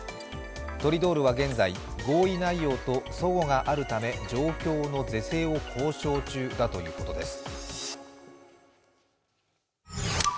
トリドールは現在、合意内容とそごがあるため状況の是正を交渉中だということです。